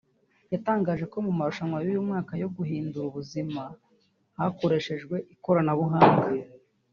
yatangaje ko mu marushanwa y’uyu mwaka yo guhindura ubuzima hakoreshejwe ikorabuhanga